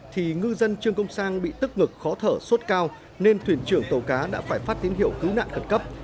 thì ngư dân trương công sang bị tức ngực khó thở sốt cao nên thuyền trưởng tàu cá đã phải phát tín hiệu cứu nạn khẩn cấp